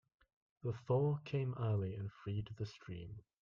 The thaw came early and freed the stream.